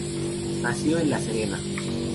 Nació en La Serena.